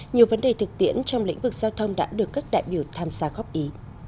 nhiều vấn đề thực tiễn trong lĩnh vực giao thông đã được các đại biểu tham gia góp ý